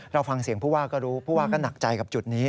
เราฟังเสียงผู้ว่าก็รู้ผู้ว่าก็หนักใจกับจุดนี้